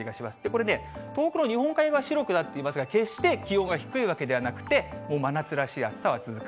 これね、東北の日本海側は白くなっていますが、決して気温が低いわけではなくて、真夏らしい暑さは続く。